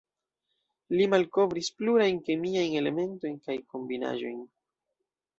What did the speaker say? Li malkovris plurajn kemiajn elementojn kaj kombinaĵojn.